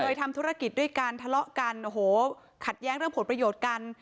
ทำธุรกิจด้วยกันทะเลาะกันโอ้โหขัดแย้งเรื่องผลประโยชน์กัน